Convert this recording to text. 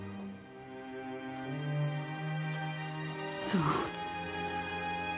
そう。